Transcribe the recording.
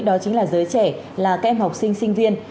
đó chính là giới trẻ là các em học sinh sinh viên